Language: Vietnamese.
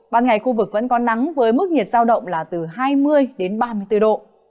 ban ngày khu vực vẫn có nắng với mức nhiệt giao động là từ hai mươi đến ba mươi bốn độ